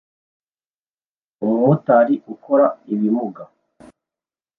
Umumotari ukora ibimuga